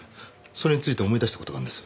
それについて思い出した事があるんです。